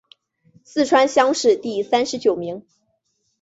四川乡试第三十九名。